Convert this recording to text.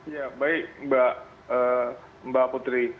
ya baik mbak putri